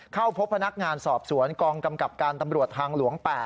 เข้าพบพนักงานสอบสวนกองกำกับการตำรวจทางหลวง๘